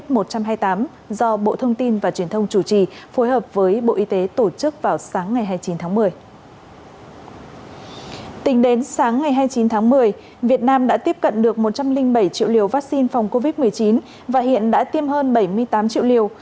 tính đến sáng ngày hai mươi chín tháng một mươi việt nam đã tiếp cận được một trăm linh bảy triệu liều vaccine phòng covid một mươi chín và hiện đã tiêm hơn bảy mươi tám triệu liều